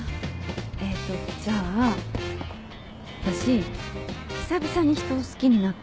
えっとじゃあ私久々に人を好きになったのね。